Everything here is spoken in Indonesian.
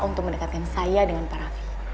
untuk mendekatkan saya dengan para